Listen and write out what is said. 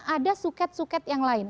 ada suket suket yang lain